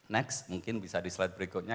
next mungkin bisa di slide berikutnya